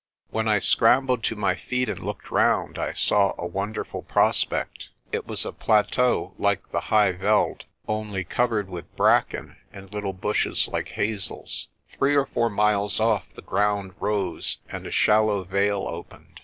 When I scrambled to my feet and looked round, I saw a wonderful prospect. It was a plateau like the high veld, MY JOURNEY TO THE WINTER VELD 63 only covered with bracken and little bushes like hazels. Three or four miles off the ground rose, and a shallow vale opened.